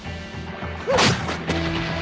うっ！